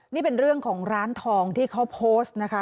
นี่เป็นเรื่องของร้านทองที่เขาโพสต์นะคะ